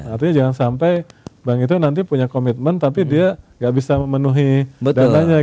artinya jangan sampai bank itu nanti punya komitmen tapi dia nggak bisa memenuhi dananya